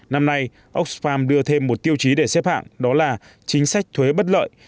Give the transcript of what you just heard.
năm nay oxfam đưa thêm một tiêu chí để xếp hạng đó là chính sách thuế bất lợi